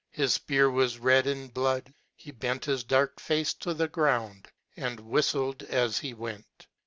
His fpear was red in blood. He bent his dark face to the ground j and whiftled as he went.